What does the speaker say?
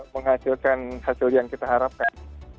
menghasilkan hasil yang kita harapkan